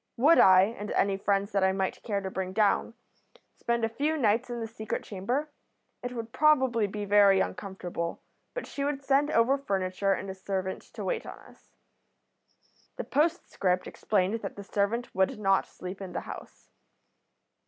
Would I, and any friends that I might care to bring down, spend a few nights in the secret chamber? It would probably be very uncomfortable, but she would send over furniture and a servant to wait on us. The postscript explained that the servant would not sleep in the house.